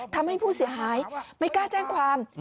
ทำให้ผู้เสียหายไม่กล้าแจ้งความ